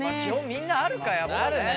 みんなあるかやっぱね。